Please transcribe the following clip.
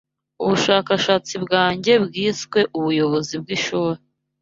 Ubushakashatsi bwanjye bwiswe Ubuyobozi bwishuri